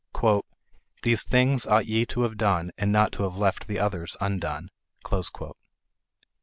"These things ought ye to have done, and not to have left the others undone."